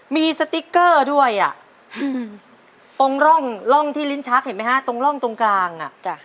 มีสติ๊กเกอร์ด้วยอ่ะตรงร่องที่ลิ้นชักเห็นไหมฮะตรงร่องตรงกลางอ่ะจ้ะ